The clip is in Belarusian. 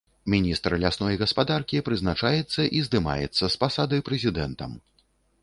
Міністр лясной гаспадаркі прызначаецца і здымаецца з пасады прэзідэнтам.